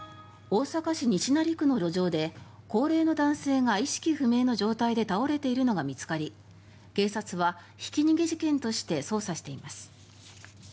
大阪市西成区の路上で高齢の男性が意識不明の状態で倒れているのが見つかり警察は、ひき逃げ事件として捜査しています。